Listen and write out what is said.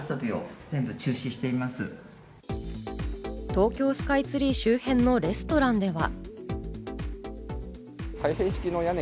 東京スカイツリー周辺のレストランでは。